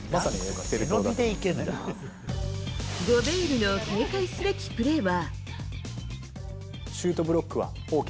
ゴベールの警戒すべきプレーは。